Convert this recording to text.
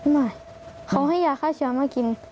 ไม่เขาให้ยาฆ่าเชื้อมากิน